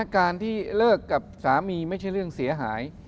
การที่เลิกกับสามีไม่ใช่เรื่องเสียหาย